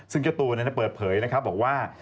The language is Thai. ซึ่งกระตูนเปิดเผยนะครับบอกว่า